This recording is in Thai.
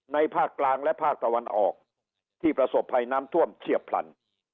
ภาคกลางและภาคตะวันออกที่ประสบภัยน้ำท่วมเฉียบพลัน